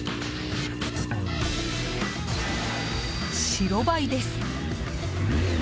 白バイです。